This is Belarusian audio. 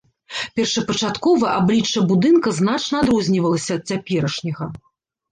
Першапачаткова аблічча будынка значна адрознівалася ад цяперашняга.